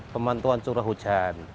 pemantauan curah hujan